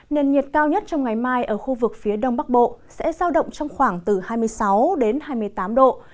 nền nhiệt cao nhất trong ngày mai ở khu vực phía đông bắc bộ sẽ giao động trong khoảng từ hai mươi sáu đến hai mươi tám độ